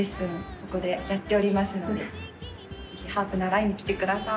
ここでやっておりますのでハープ習いに来てください。